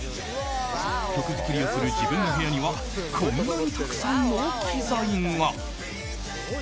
曲作りをする自分の部屋にはこんなにたくさんの機材が。